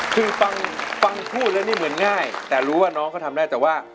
คือฟังพูดแล้วนี่เหมือนง่ายแต่รู้ว่าน้องเขาทำได้แต่ว่า